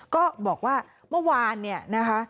ก็บอกว่าเมื่อวานเนี่ยนะคะ